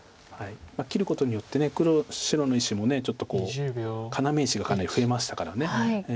切ることによって白の石も要石がかなり増えましたから。